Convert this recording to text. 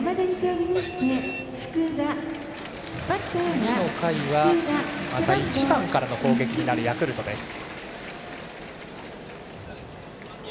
次の回はまた１番からの攻撃になるヤクルトです。